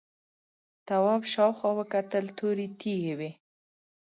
تواب شاوخوا وکتل تورې تیږې وې.